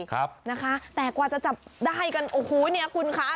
ครับนะคะแต่กว่าจะจับได้กันโอ้โหเนี่ยคุณคะ